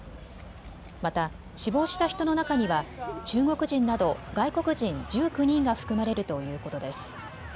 また死亡した人の中には中国人など外国人１９人が含まれるということです。